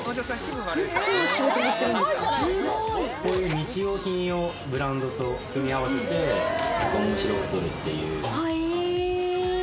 こういう日用品をブランドと組み合わせて、面白く撮るという。